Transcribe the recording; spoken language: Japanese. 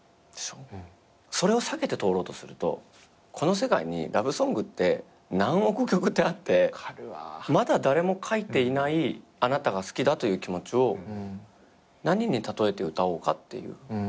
それを避けて通ろうとするとこの世界にラブソングって何億曲ってあってまだ誰も書いていないあなたが好きだという気持ちを何に例えて歌おうかっていう。